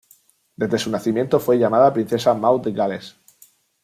Desde su nacimiento fue llamada princesa Maud de Gales.